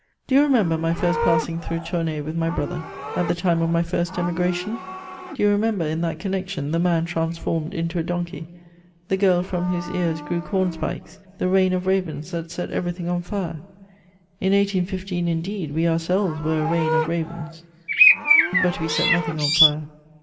Do you remember my first passing through Tournay with my brother, at the time of my first emigration? Do you remember, in that connection, the man transformed into a donkey, the girl from whose ears grew corn spikes, the rain of ravens that set everything on fire? In 1815, indeed, we ourselves were a rain of ravens; but we set nothing on fire.